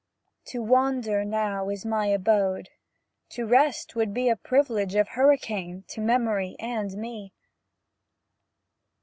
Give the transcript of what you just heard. To wander now is my abode; To rest, to rest would be A privilege of hurricane To memory and me.